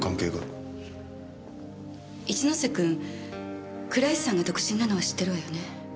一ノ瀬君倉石さんが独身なのは知ってるわよね？